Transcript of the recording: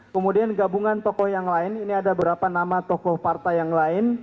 kemudian gabungan tokoh yang lain ini ada beberapa nama tokoh partai yang lain